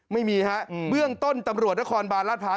ไม่มีฮะเบื้องต้นตำรวจนครบานราชพร้าว